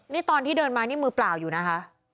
นี่ตอนที่เดินมานี่มือเปล่าอยู่นะคะ